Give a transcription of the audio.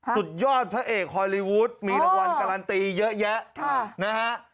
สุดยอดพระเอกฮอลลีวูดมีรางวัลการันตีเยอะแยะนะฮะ